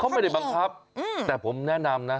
เขาไม่ได้บังคับแต่ผมแนะนำนะ